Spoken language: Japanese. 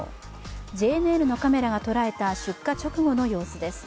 ＪＮＮのカメラが捉えた出火直後の様子です。